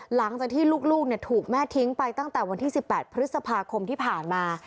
หลังจากที่ลูกถูกแม่ทิ้งไปตั้งแต่วันที่๑๘พฤษภาคมที่ผ่านมา